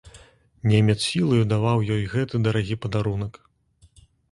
Немец сілаю даваў ёй гэты дарагі падарунак.